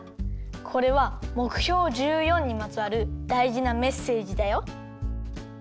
これはもくひょう１４にまつわるだいじなメッセージだよ。